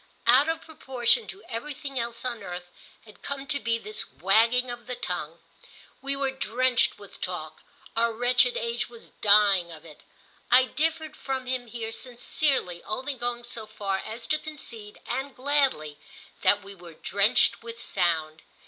Out of proportion to everything else on earth had come to be this wagging of the tongue. We were drenched with talk—our wretched age was dying of it. I differed from him here sincerely, only going so far as to concede, and gladly, that we were drenched with sound.